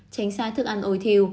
tránh xa thức ăn ôi thiêu